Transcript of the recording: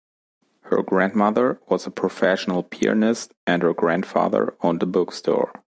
Her grandmother was a professional pianist and her grandfather owned a bookstore.